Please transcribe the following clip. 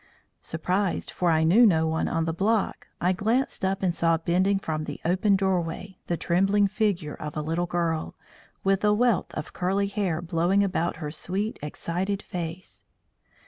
Surprised, for I knew no one on the block, I glanced up and saw bending from the open doorway the trembling figure of a little girl, with a wealth of curly hair blowing about her sweet, excited face.